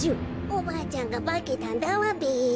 おばあちゃんがばけたんだわべ。